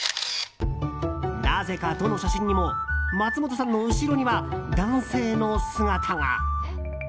なぜか、どの写真にも松本さんの後ろには男性の姿が。